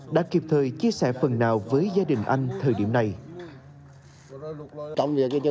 đã kịp thời chia sẻ phần nào với gia đình